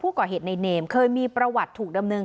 ก่อเหตุในเนมเคยมีประวัติถูกดำเนิน